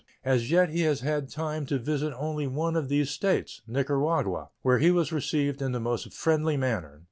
As yet he has had time to visit only one of these States (Nicaragua), where he was received in the most friendly manner.